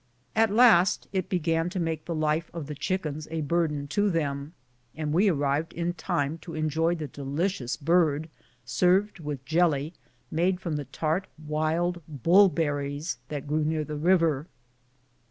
At last it began to make the life of the chickens a burden to them, and we arrived in time to enjoy the delicious bird served with jelly made from the tart, wild " bullberries " that grew near the river.